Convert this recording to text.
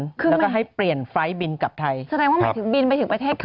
แล้วก็ให้เปลี่ยนไฟล์บินกลับไทยแสดงว่าหมายถึงบินไปถึงประเทศไทย